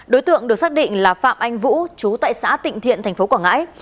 đối tượng được xác định là phạm anh vũ chú tại xã tịnh thiện tp quảng ngãi